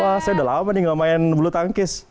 wah saya udah lama nih gak main bulu tangkis